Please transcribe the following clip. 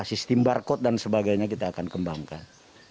kita selalu sistem barcode dan sebagainya kita akan kembangkan